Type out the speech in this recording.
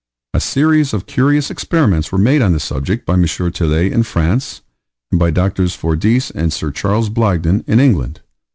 A series of curious experiments were made on this subject by M. Tillet, in France, and by Dr. Fordyce and Sir Charles Blagden, in England.